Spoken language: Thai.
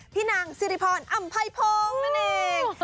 พี่นางสิริพรอำไพพงศ์นั่นเอง